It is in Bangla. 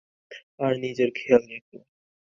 আর নিজের খেয়াল রেখো।